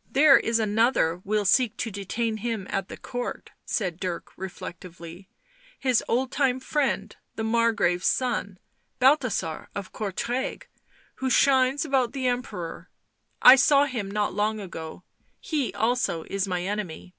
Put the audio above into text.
" There is another will seek to detain him at the Court," said Dirk reflectively. " His old time friend, the Margrave's son, Balthasar of Oourtrai, who shines about the Emperor. I saw him not long ago — he also is my enemy."